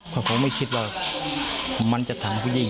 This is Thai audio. ผมไม่คิดว่ามันจะถังผู้หญิง